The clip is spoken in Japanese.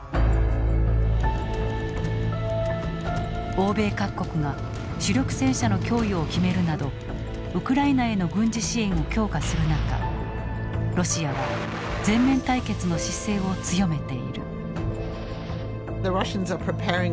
欧米各国が主力戦車の供与を決めるなどウクライナへの軍事支援を強化する中ロシアは全面対決の姿勢を強めている。